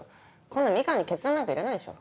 こんなミカンに決断なんかいらないでしょ。